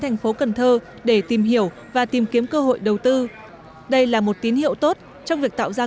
thành phố cần thơ để tìm hiểu và tìm kiếm cơ hội đầu tư đây là một tín hiệu tốt trong việc tạo ra